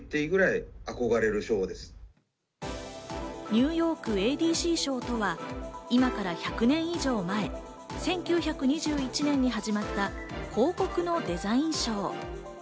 ニューヨークＡＤＣ賞とは、今から１００年以上前、１９２１年に始まった広告のデザイン賞。